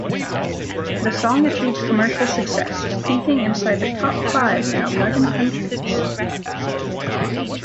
The song achieved commercial success, peaking inside the top-five in eleven countries.